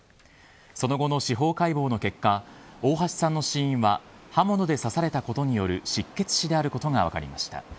その後の司法解剖の結果大橋さんの死因は刃物で刺されたことによる失血死であることが分かりました。